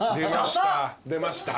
出ました。